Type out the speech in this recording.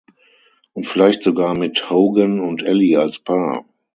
Und vielleicht sogar mit Hogan und Elly als Paar.